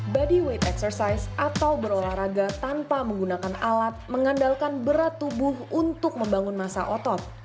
bodyweight exercise atau berolahraga tanpa menggunakan alat mengandalkan berat tubuh untuk membangun masa otot